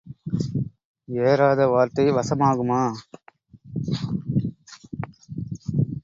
ஏறாத வார்த்தை வசமாகுமா?